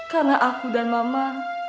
karena aku dan mama